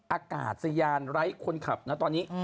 อากาศยานไร้คนขับนะตอนนี้